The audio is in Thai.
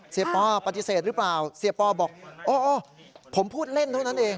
ปอปฏิเสธหรือเปล่าเสียปอบอกโอ้ผมพูดเล่นเท่านั้นเอง